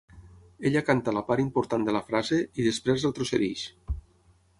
Ella canta la part important de la frase, i després retrocedeix.